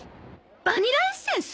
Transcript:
バニラエッセンス？